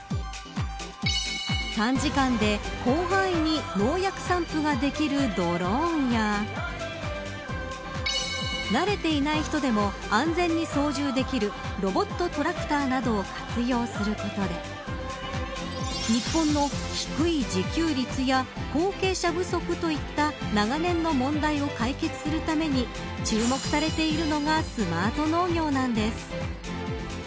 短時間で広範囲に農薬散布ができるドローンや慣れていない人でも安全に操縦できるロボットトラクターなどを活用することで日本の低い自給率や後継者不足といった長年の問題を解決するために注目されているのがスマート農業なんです。